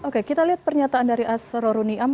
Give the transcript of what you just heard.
oke kita lihat pernyataan dari asro runiam